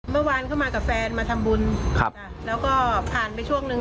เมื่อวานเข้ามากับแฟนมาทำบุญครับจ้ะแล้วก็ผ่านไปช่วงนึง